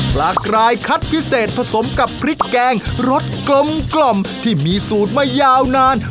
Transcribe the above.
ปลากรายคัดพิเศษผสมกับพริกแกงรสกลมที่มีสูตรมายาวนาน